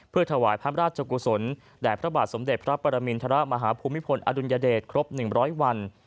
เพื่อถวายพระราชกุศลแด่พระบาทสมเด็จพระปรมินทรมาฮภูมิพลอดุลยเดชครบ๑๐๐วัน